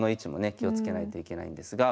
気をつけないといけないんですが。